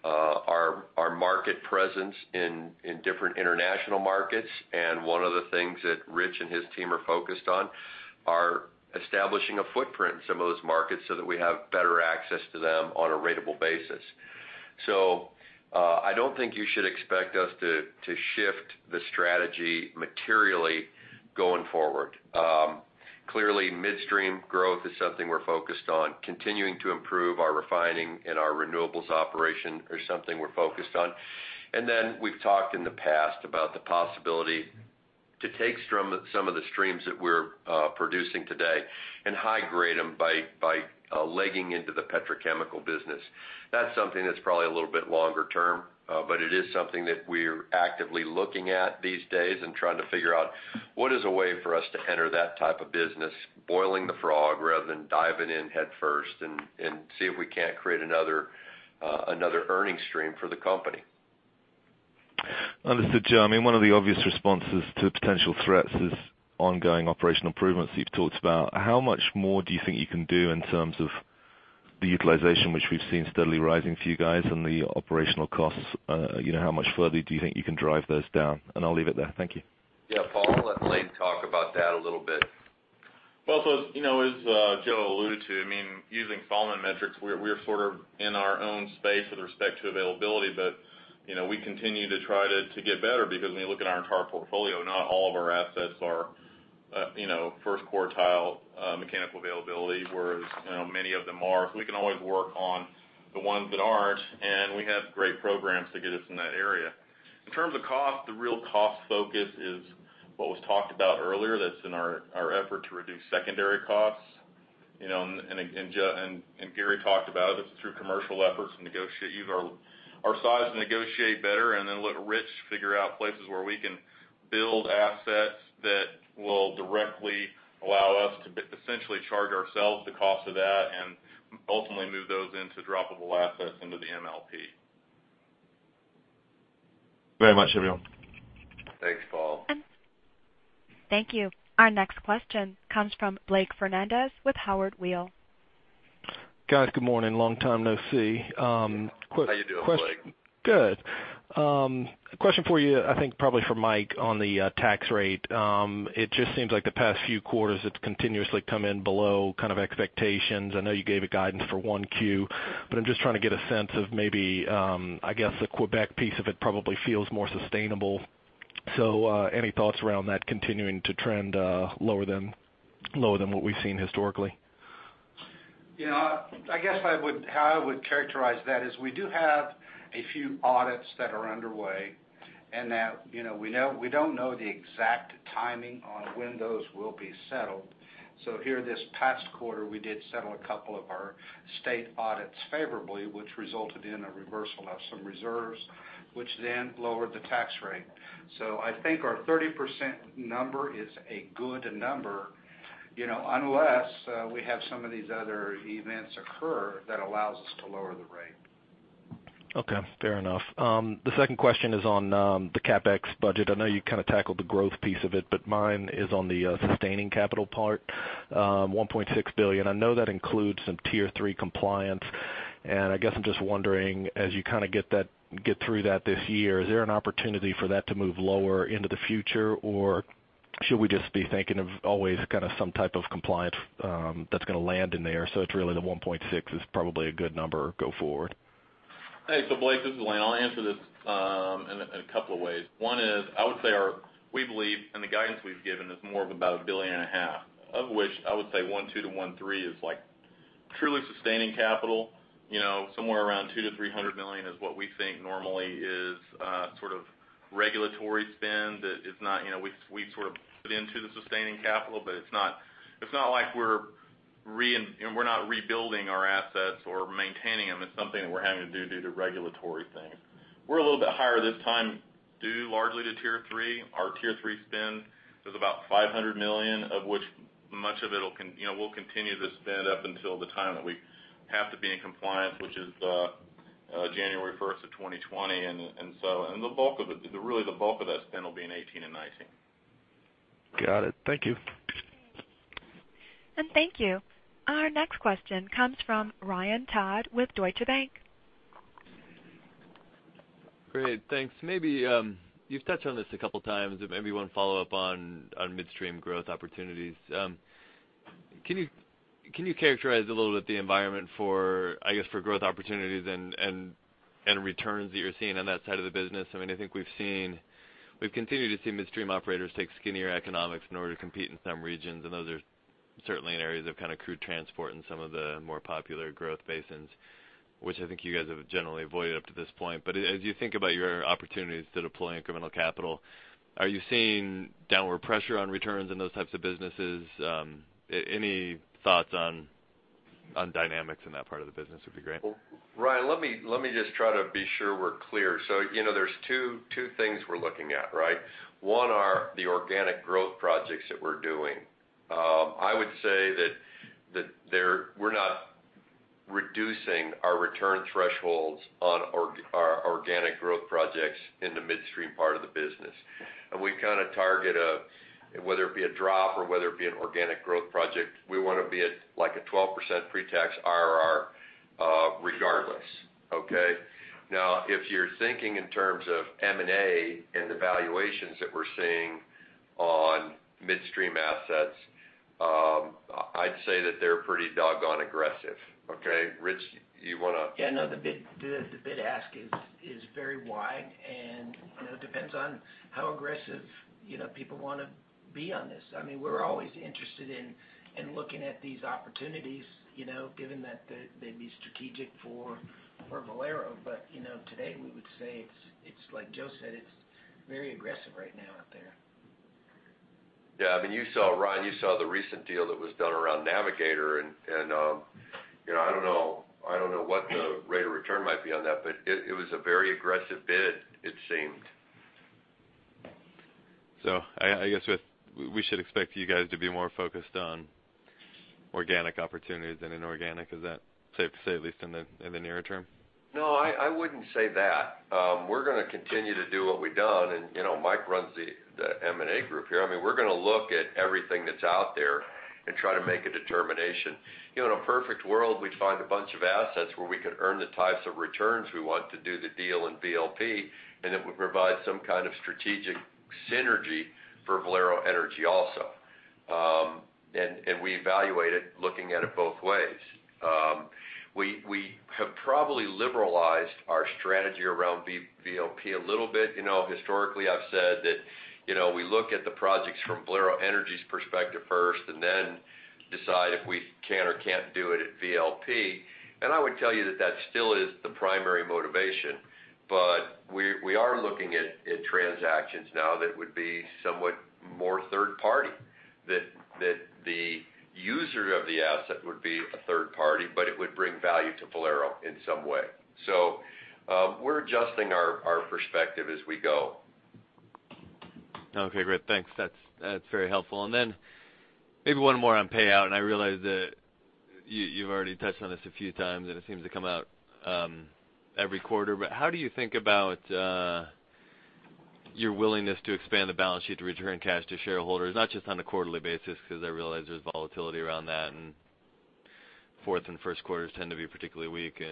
our market presence in different international markets. One of the things that Rich and his team are focused on are establishing a footprint in some of those markets so that we have better access to them on a ratable basis. I don't think you should expect us to shift the strategy materially going forward. Clearly, midstream growth is something we're focused on. Continuing to improve our refining and our renewables operation are something we're focused on. Then we've talked in the past about the possibility to take some of the streams that we're producing today and high-grade them by legging into the petrochemical business. That's something that's probably a little bit longer term, but it is something that we're actively looking at these days and trying to figure out what is a way for us to enter that type of business, boiling the frog rather than diving in headfirst and see if we can't create another earnings stream for the company. Understood, Joe. One of the obvious responses to potential threats is ongoing operational improvements you've talked about. How much more do you think you can do in terms of the utilization, which we've seen steadily rising for you guys and the operational costs? How much further do you think you can drive those down? I'll leave it there. Thank you. Yeah, Paul, I'll let Lane talk about that a little bit. As Joe alluded to, using Solomon metrics, we are sort of in our own space with respect to availability, but we continue to try to get better because when you look at our entire portfolio, not all of our assets are first-quartile mechanical availability, whereas many of them are. We can always work on the ones that aren't, and we have great programs to get us in that area. In terms of cost, the real cost focus is what was talked about earlier. That's in our effort to reduce secondary costs, Gary talked about it. It's through commercial efforts and use our size to negotiate better and then let Rich figure out places where we can build assets that will directly allow us to essentially charge ourselves the cost of that and ultimately move those into droppable assets into the MLP. Very much, everyone. Thanks, Paul. Thank you. Our next question comes from Blake Fernandez with Howard Weil. Guys, good morning. Long time no see. How you doing, Blake? Good. Question for you, I think probably for Mike on the tax rate. It just seems like the past few quarters it's continuously come in below expectations. I know you gave a guidance for one Q, but I'm just trying to get a sense of maybe, I guess the Quebec piece of it probably feels more sustainable. Any thoughts around that continuing to trend lower than what we've seen historically? I guess how I would characterize that is we do have a few audits that are underway and that we don't know the exact timing on when those will be settled. Here this past quarter, we did settle a couple of our state audits favorably, which resulted in a reversal of some reserves, which then lowered the tax rate. I think our 30% number is a good number, unless we have some of these other events occur that allows us to lower the rate. Okay, fair enough. The second question is on the CapEx budget. I know you kind of tackled the growth piece of it, but mine is on the sustaining capital part, $1.6 billion. I know that includes some Tier 3 compliance, and I guess I'm just wondering, as you get through that this year, is there an opportunity for that to move lower into the future? Should we just be thinking of always some type of compliance that's going to land in there, so it's really the $1.6 billion is probably a good number go forward? Hey, Blake, this is Lane. I'll answer this in a couple of ways. One is I would say we believe, the guidance we've given is more of about a billion and a half, of which I would say $1.2 billion to $1.3 billion is like Truly sustaining capital, somewhere around $200 million to $300 million is what we think normally is regulatory spend. We put into the sustaining capital, it's not like we're not rebuilding our assets or maintaining them. It's something that we're having to do due to regulatory things. We're a little bit higher this time due largely to Tier 3. Our Tier 3 spend is about $500 million, of which much of it we'll continue to spend up until the time that we have to be in compliance, which is January 1, 2020. Really the bulk of that spend will be in 2018 and 2019. Got it. Thank you. Thank you. Our next question comes from Ryan Todd with Deutsche Bank. Great. Thanks. Maybe, you've touched on this a 2 times, maybe one follow-up on midstream growth opportunities. Can you characterize a little bit the environment for, I guess, growth opportunities and returns that you're seeing on that side of the business? I think we've continued to see midstream operators take skinnier economics in order to compete in some regions, and those are certainly in areas of crude transport and some of the more popular growth basins, which I think you guys have generally avoided up to this point. As you think about your opportunities to deploying incremental capital, are you seeing downward pressure on returns in those types of businesses? Any thoughts on dynamics in that part of the business would be great. Ryan, let me just try to be sure we're clear. There's 2 things we're looking at, right? One are the organic growth projects that we're doing. I would say that we're not reducing our return thresholds on our organic growth projects in the midstream part of the business. We target, whether it be a drop or whether it be an organic growth project, we want to be at a 12% pre-tax IRR, regardless. Okay. If you're thinking in terms of M&A and the valuations that we're seeing on midstream assets, I'd say that they're pretty doggone aggressive. Okay. Rich, you want to- The bid ask is very wide, and it depends on how aggressive people want to be on this. We're always interested in looking at these opportunities, given that they'd be strategic for Valero. Today we would say, it's like Joe said, it's very aggressive right now out there. Ryan, you saw the recent deal that was done around Navigator, I don't know what the rate of return might be on that, it was a very aggressive bid it seemed. I guess we should expect you guys to be more focused on organic opportunities than inorganic. Is that safe to say, at least in the nearer term? No, I wouldn't say that. We're going to continue to do what we've done, and Mike runs the M&A group here. We're going to look at everything that's out there and try to make a determination. In a perfect world, we'd find a bunch of assets where we could earn the types of returns we want to do the deal in VLP, and it would provide some kind of strategic synergy for Valero Energy also. We evaluate it, looking at it both ways. We have probably liberalized our strategy around VLP a little bit. Historically, I've said that we look at the projects from Valero Energy's perspective first and then decide if we can or can't do it at VLP. I would tell you that that still is the primary motivation. We are looking at transactions now that would be somewhat more third party, that the user of the asset would be a third party, but it would bring value to Valero in some way. We're adjusting our perspective as we go. Okay, great. Thanks. That's very helpful. Maybe one more on payout, and I realize that you've already touched on this a few times, and it seems to come out every quarter, how do you think about your willingness to expand the balance sheet to return cash to shareholders? Not just on a quarterly basis, because I realize there's volatility around that, and fourth and first quarters tend to be particularly weak.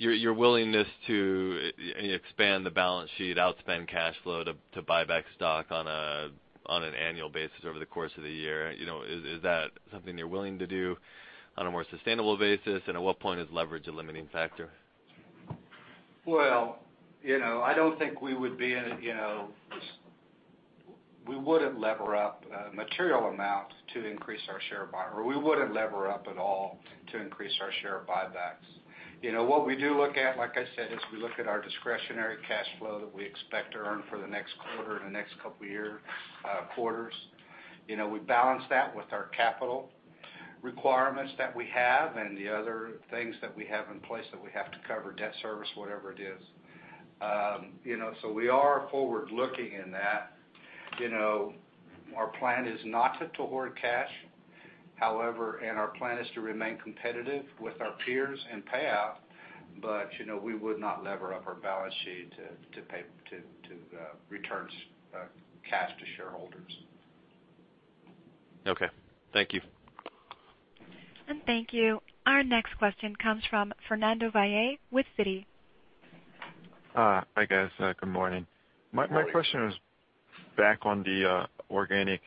Your willingness to expand the balance sheet, outspend cash flow to buy back stock on an annual basis over the course of the year. Is that something you're willing to do on a more sustainable basis? At what point is leverage a limiting factor? Well, I don't think we wouldn't lever up a material amount to increase our share buy. We wouldn't lever up at all to increase our share buybacks. What we do look at, like I said, is we look at our discretionary cash flow that we expect to earn for the next quarter and the next couple of year quarters. We balance that with our capital requirements that we have and the other things that we have in place that we have to cover, debt service, whatever it is. We are forward-looking in that. Our plan is not to hoard cash, however, Our plan is to remain competitive with our peers in payout. We would not lever up our balance sheet to return cash to shareholders. Okay. Thank you. Thank you. Our next question comes from Fernando Valle with Citi. Hi, guys. Good morning. Good morning. My question is back on the organic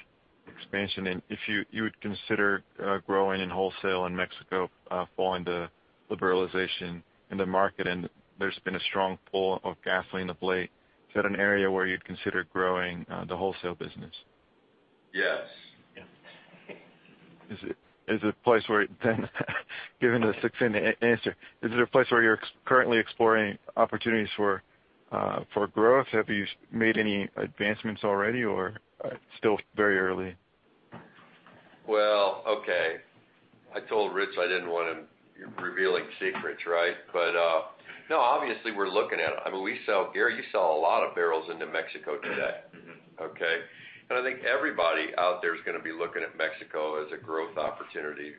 expansion. If you would consider growing in wholesale in Mexico following the liberalization in the market, there's been a strong pull of gasoline of late. Is that an area where you'd consider growing the wholesale business? Yes. Is it a place where given the succinct answer, is it a place where you're currently exploring opportunities for growth? Have you made any advancements already, or it's still very early? Well, okay. I told Rich I didn't want him revealing secrets, right? No, obviously, we're looking at it. I mean, Gary, you sell a lot of barrels into Mexico today. Okay? I think everybody out there is going to be looking at Mexico as a growth opportunity.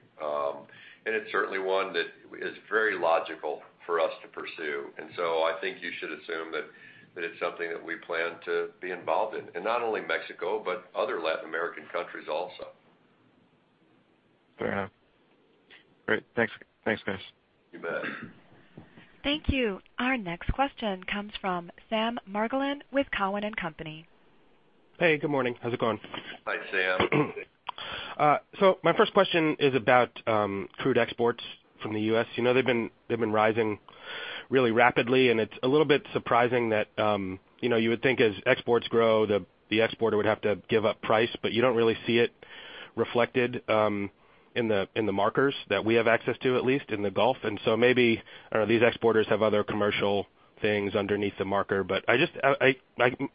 It's certainly one that is very logical for us to pursue. I think you should assume that it's something that we plan to be involved in. Not only Mexico, but other Latin American countries also. Fair. Great. Thanks, guys. You bet. Thank you. Our next question comes from Sam Margolin with Cowen and Company. Hey, good morning. How's it going? Hi, Sam. My first question is about crude exports from the U.S. They've been rising really rapidly, it's a little bit surprising that you would think as exports grow, the exporter would have to give up price, you don't really see it reflected in the markers that we have access to, at least in the Gulf. Maybe these exporters have other commercial things underneath the marker.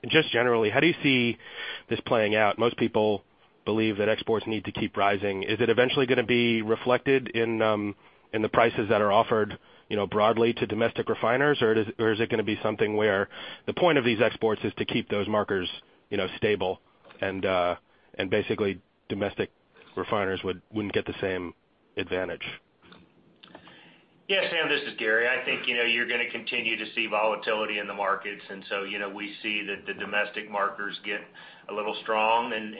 Just generally, how do you see this playing out? Most people believe that exports need to keep rising. Is it eventually going to be reflected in the prices that are offered broadly to domestic refiners, or is it going to be something where the point of these exports is to keep those markers stable and basically domestic refiners wouldn't get the same advantage? Sam, this is Gary. I think you're going to continue to see volatility in the markets. We see that the domestic markers get a little strong and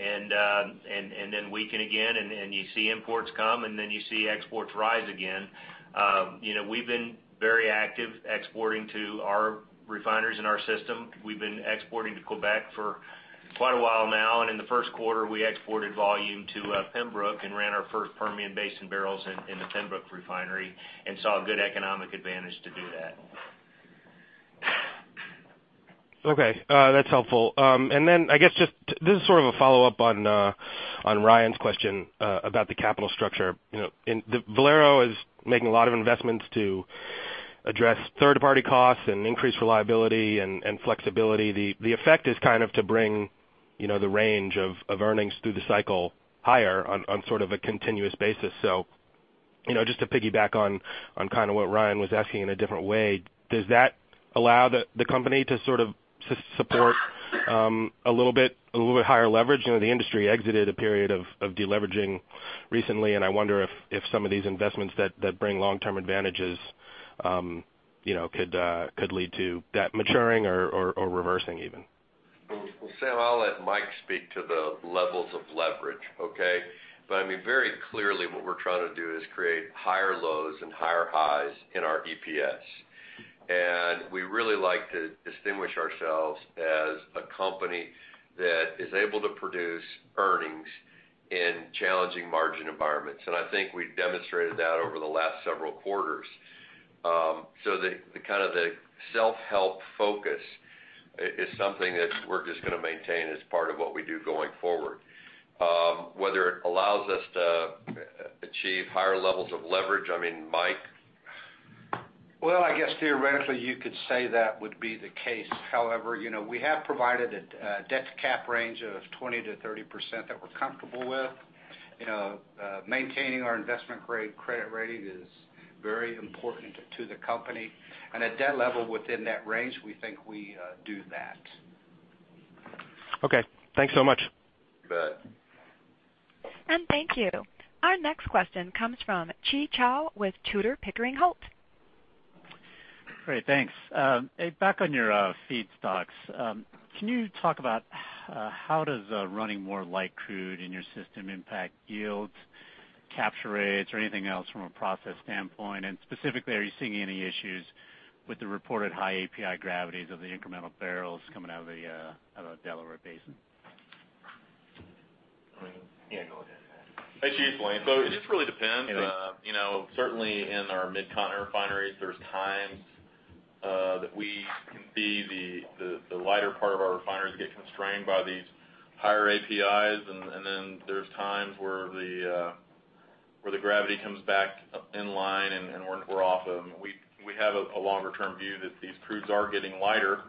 then weaken again, and you see imports come, and then you see exports rise again. We've been very active exporting to our refiners in our system. We've been exporting to Quebec for quite a while now, and in the first quarter, we exported volume to Pembroke and ran our first Permian Basin barrels in the Pembroke refinery and saw a good economic advantage to do that. Okay. That's helpful. I guess this is sort of a follow-up on Ryan's question about the capital structure. Valero is making a lot of investments to address third-party costs and increase reliability and flexibility. The effect is to bring the range of earnings through the cycle higher on sort of a continuous basis. Just to piggyback on kind of what Ryan was asking in a different way, does that allow the company to sort of support a little bit higher leverage? The industry exited a period of de-leveraging recently, I wonder if some of these investments that bring long-term advantages could lead to debt maturing or reversing even. Well, Sam, I'll let Mike speak to the levels of leverage, okay? I mean, very clearly what we're trying to do is create higher lows and higher highs in our EPS. We really like to distinguish ourselves as a company that is able to produce earnings in challenging margin environments. I think we've demonstrated that over the last several quarters. The kind of the self-help focus is something that we're just going to maintain as part of what we do going forward. Whether it allows us to achieve higher levels of leverage, I mean, Mike? Well, I guess theoretically you could say that would be the case. However, we have provided a debt-to-cap range of 20%-30% that we're comfortable with. Maintaining our investment-grade credit rating is very important to the company. At that level within that range, we think we do that. Okay. Thanks so much. You bet. Thank you. Our next question comes from Chi Chow with Tudor, Pickering, Holt & Co. Great, thanks. Hey, back on your feedstocks. Can you talk about how does running more light crude in your system impact yields, capture rates, or anything else from a process standpoint? Specifically, are you seeing any issues with the reported high API gravities of the incremental barrels coming out of the Delaware Basin? Yeah, go ahead, Lane. Hey, Chi. It's Lane. It just really depends. Hey, Blake. Certainly in our MidCont refineries, there's times that we can see the lighter part of our refineries get constrained by these higher APIs, and then there's times where the gravity comes back in line and we're off of them. We have a longer-term view that these crudes are getting lighter.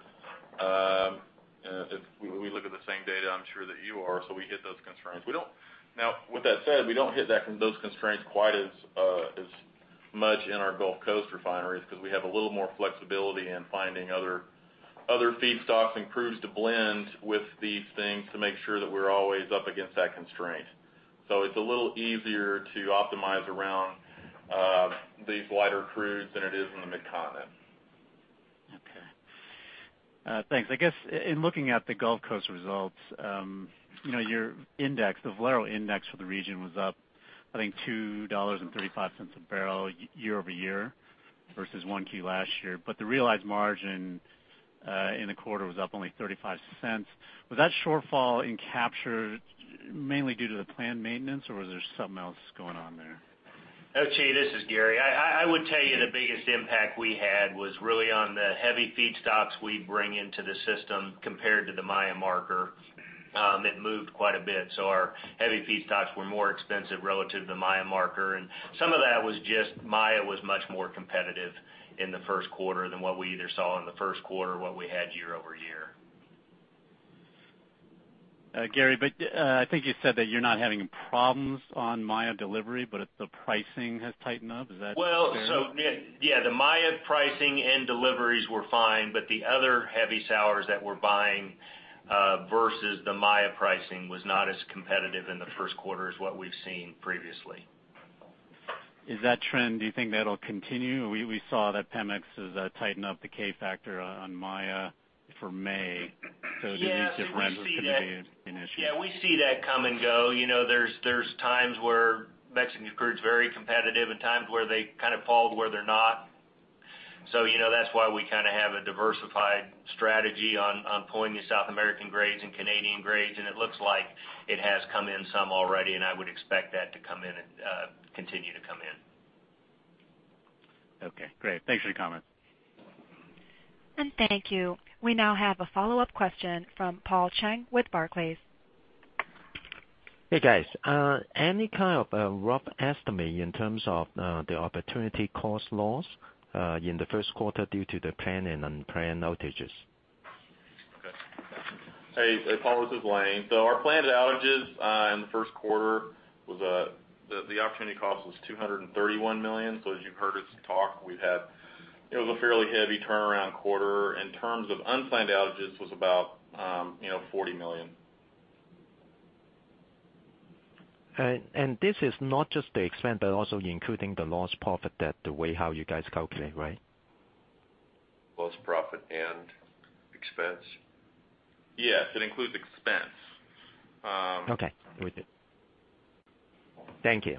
We look at the same data, I'm sure, that you are, we hit those constraints. With that said, we don't hit those constraints quite as much in our Gulf Coast refineries because we have a little more flexibility in finding other feedstocks and crudes to blend with these things to make sure that we're always up against that constraint. It's a little easier to optimize around these lighter crudes than it is in the MidCont. Okay. Thanks. I guess in looking at the Gulf Coast results, your index, the Valero index for the region was up, I think, $2.35 a barrel year-over-year versus Q1 last year. The realized margin in the quarter was up only $0.35. Was that shortfall in capture mainly due to the planned maintenance, or was there something else going on there? Oh, Chi Chow, this is Gary Simmons. I would tell you the biggest impact we had was really on the heavy feedstocks we bring into the system compared to the Maya marker. It moved quite a bit. Our heavy feedstocks were more expensive relative to Maya marker, and some of that was just Maya was much more competitive in the first quarter than what we either saw in the first quarter or what we had year-over-year. Gary Simmons, I think you said that you're not having problems on Maya delivery, but it's the pricing has tightened up. Is that fair? Yeah. The Maya pricing and deliveries were fine, but the other heavy sours that we're buying versus the Maya pricing was not as competitive in the first quarter as what we've seen previously. Is that trend, do you think that'll continue? We saw that Pemex has tightened up the K factor on Maya for May. Do you think- Yeah This trend will continue to be an issue? Yeah, we see that come and go. There's times where Mexican crude is very competitive and times where they kind of fall to where they're not. That's why we kind of have a diversified strategy on pulling the South American grades and Canadian grades, it looks like it has come in some already, I would expect that to come in and continue to come in. Okay, great. Thanks for the comment. Thank you. We now have a follow-up question from Paul Cheng with Barclays. Hey, guys. Any kind of rough estimate in terms of the opportunity cost loss in the first quarter due to the planned and unplanned outages? Okay. Hey, Paul, this is Lane. Our planned outages in the first quarter. The opportunity cost was $231 million. As you've heard us talk, it was a fairly heavy turnaround quarter. In terms of unplanned outages, was about $40 million. This is not just the expense, but also including the lost profit, the way how you guys calculate, right? Lost profit and expense? Yes, it includes expense. Okay. Thank you.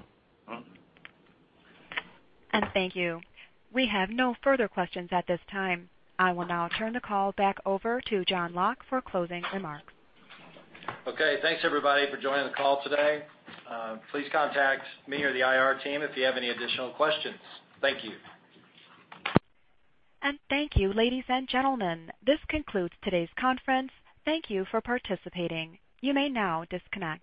Thank you. We have no further questions at this time. I will now turn the call back over to John Locke for closing remarks. Okay. Thanks everybody for joining the call today. Please contact me or the IR team if you have any additional questions. Thank you. Thank you, ladies and gentlemen. This concludes today's conference. Thank you for participating. You may now disconnect.